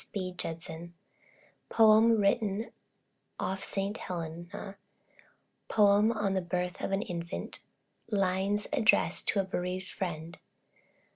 S.B. JUDSON. POEM WRITTEN OFF ST. HELENA. POEM ON THE BIRTH OF AN INFANT. LINES ADDRESSED TO A BEREAVED FRIEND.